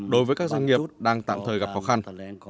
đối với các doanh nghiệp đang tạm thời gặp khó khăn